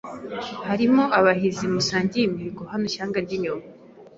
Harimo abahizi musangiye imihigo Hano ishyanga inyuma